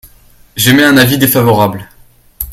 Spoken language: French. J’émets un avis défavorable.